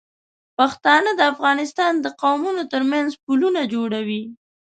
پښتانه د افغانستان د قومونو تر منځ پلونه جوړوي.